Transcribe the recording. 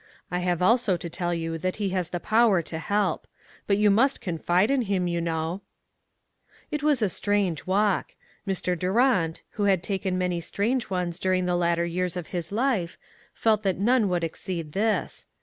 I have also to tell you that he has the power to help. But you must confide in him, 3*011 know." It was a strange walk. Mr. Durant, who 360 ONE COMMONPLACE DAY. had taken many strange ones during the latter years of his life, felt that none would exceed this.